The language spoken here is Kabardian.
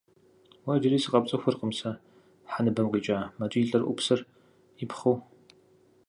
— Уэ иджыри сыкъэпцӏыхуркъым сэ, хьэ ныбэм къикӀа! — мэкӏий лӏыр ӏупсыр ипхъыу.